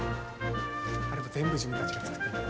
あれも全部自分たちが作ってんねん。